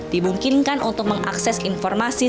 dibungkinkan untuk mengakses informasi